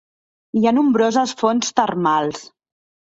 Hi ha nombroses fonts termals.